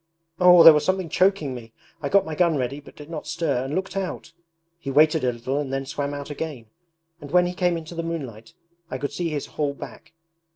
Oh, there was something choking me! I got my gun ready but did not stir, and looked out. He waited a little and then swam out again; and when he came into the moonlight I could see his whole back.